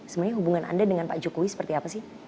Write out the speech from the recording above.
sebenarnya hubungan anda dengan pak jokowi seperti apa sih